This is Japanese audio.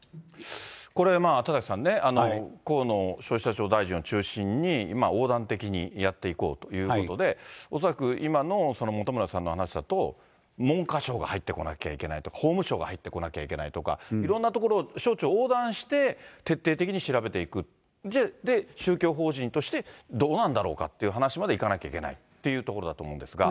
これ、田崎さんね、河野消費者庁大臣を中心に、横断的にやっていこうということで、恐らく今の本村さんの話だと、文科省が入ってこなきゃいけないとか、法務省が入ってこなきゃいけないとか、いろんな所、省庁横断して、徹底的に調べていく、で、宗教法人としてどうなんだろうかという話までいかなきゃいけないっていうところだと思いますが。